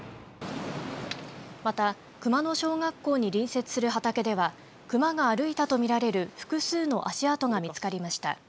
また熊野小学校に隣接する畑ではクマが歩いたと見られる複数の足跡が見つかりました。